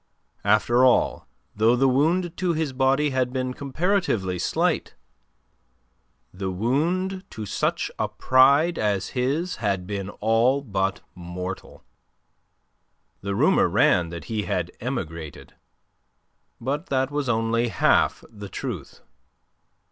After all, though the wound to his body had been comparatively slight, the wound to such a pride as his had been all but mortal. The rumour ran that he had emigrated. But that was only half the truth.